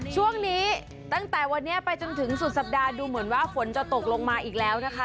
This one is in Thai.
ช่วงนี้ตั้งแต่วันนี้ไปจนถึงสุดสัปดาห์ดูเหมือนว่าฝนจะตกลงมาอีกแล้วนะคะ